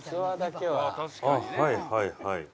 あっはいはいはい。